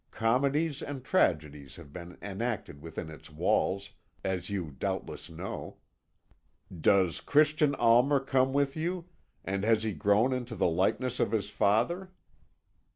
Comedies and tragedies have been enacted within its walls, as you doubtless know. Does Christian Almer come with you, and has he grown into the likeness of his father?